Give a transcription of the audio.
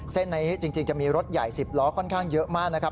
เส้นนี้จริงจะมีรถใหญ่๑๐ล้อค่อนข้างเยอะมากนะครับ